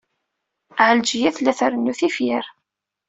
Ɛelǧiya tella trennu tifyar.